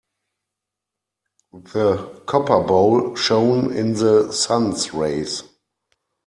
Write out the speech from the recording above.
The copper bowl shone in the sun's rays.